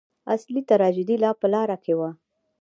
اصلي تراژیدي لا په لاره کې وه.